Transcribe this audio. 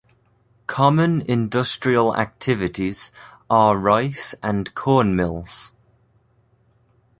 Common Industrial activities are rice and corn mills.